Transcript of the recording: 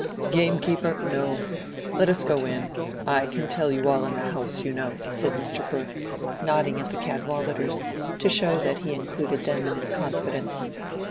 "Gamekeeper? No. Let us go in; I can tell you all in the house, you know," said Mr. Brooke, nodding at the Cadwalladers, to show that he included them in his confidence.